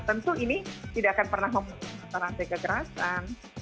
tentu ini tidak akan pernah membuat orang terlambat kekerasan